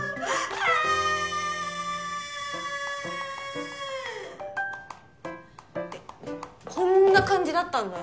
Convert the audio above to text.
あ！ってこんな感じだったんだよ。